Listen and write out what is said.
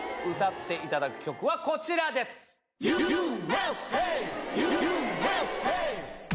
歌っていただく曲はこちらです。